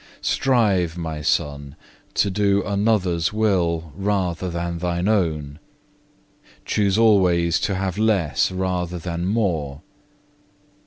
3. "Strive, My Son, to do another's will rather than thine own. Choose always to have less rather than more.